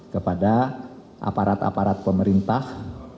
kepada aparat aparat pemerintah